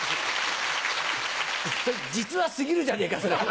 実話過ぎるじゃねえかそれ。